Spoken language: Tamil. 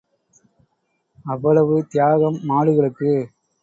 அவ்வளவு தியாகம் மாடுகளுக்கு.